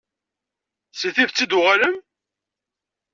Seg Tibet i d-tuɣalem?